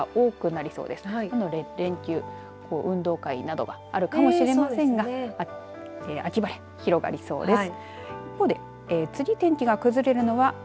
なので、連休運動会などがあるかもしれませんが秋晴れ、広がりそうです。